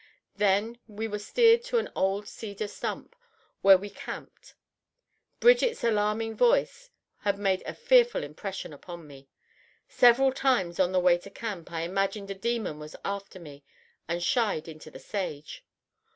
Then we were steered to an old cedar stump, where we camped. Bridget's alarming voice had made a fearful impression upon me. Several times on the way to camp I imagined a demon was after me, and shied into the sage.